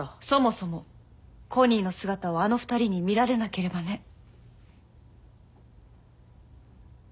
そもそもコニーの姿をあの２人に見られなければね。